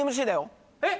えっ？